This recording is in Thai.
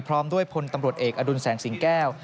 พร้อมด้วยพลตำรวจเอกอดุลแสงสิงแก้ว